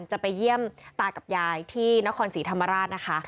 จะไปเยี่ยมตากับยายที่นครศรีธรรมราชนะคะ